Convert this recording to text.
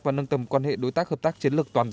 và nâng tầm quan hệ đối tác hợp tác chiến lược toàn diện